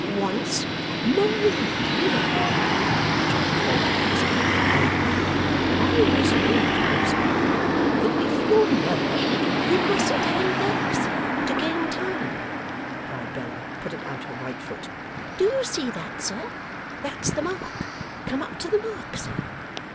Once! ' 'My dear,' the cherub faltered, with something of a craven air, 'I was going to observe that if your mother ' 'You mustn't hang back, sir, to gain time,' cried Bella, putting out her right foot; 'do you see that, sir? That's the mark; come up to the mark, sir.